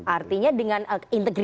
artinya dengan integritas yang lima lima